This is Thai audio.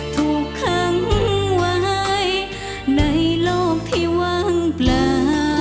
ถูกค้ำไหวในโลกที่ว่างเปล่า